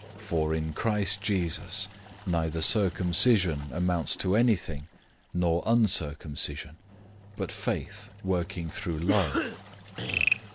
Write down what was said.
005:006 For in Christ Jesus neither circumcision amounts to anything, nor uncircumcision, but faith working through love.